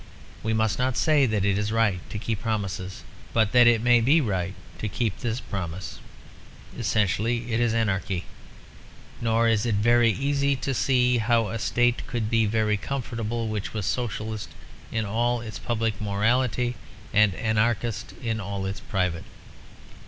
We must not say that it is right to keep promises, but that it may be right to keep this promise. Essentially it is anarchy; nor is it very easy to see how a state could be very comfortable which was Socialist in all its public morality and Anarchist in all its private.